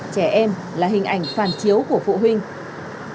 trẻ em là hình ảnh phản chiếu của phụ huynh